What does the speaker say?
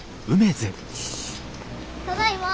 ただいま。